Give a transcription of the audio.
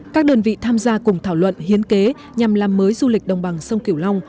các đơn vị tham gia cùng thảo luận hiến kế nhằm làm mới du lịch đồng bằng sông kiểu long